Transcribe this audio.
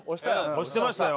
推してましたよ。